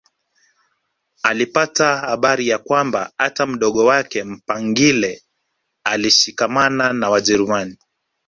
Alipata habari ya kwamba hata mdogo wake Mpangile alishikamana na Wajerumani